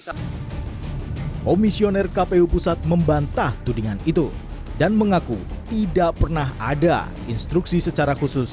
komisioner kpu pusat membantah tudingan itu dan mengaku tidak pernah ada instruksi secara khusus